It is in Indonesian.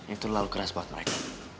itu terlalu keras buat mereka